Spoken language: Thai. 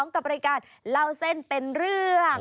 กับรายการเล่าเส้นเป็นเรื่อง